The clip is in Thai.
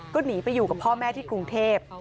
ก็หนีไปอยู่กับพ่อแม่ที่กรุงเทพ